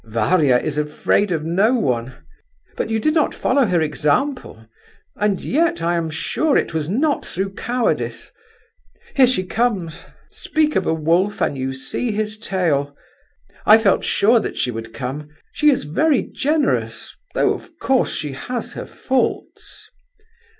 Varia is afraid of no one. But you did not follow her example, and yet I am sure it was not through cowardice. Here she comes! Speak of a wolf and you see his tail! I felt sure that she would come. She is very generous, though of course she has her faults."